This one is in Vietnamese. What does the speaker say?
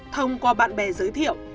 thông qua bạn bè giới thiệu